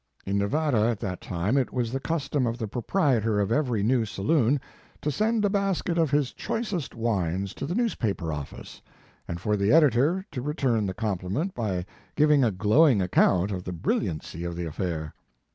In Nevada, at that time, it was the custom of the proprietor of every new saloon, to send a basket of his choicest wines to the newspaper office, and for the editor to return the compliment by giving a glowing account of the brilliancy of the affair.